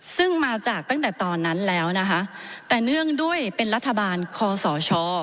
ซึ่งมาจากตั้งแต่ตอนนั้นแล้วนะคะแต่เนื่องด้วยเป็นรัฐบาลคอสช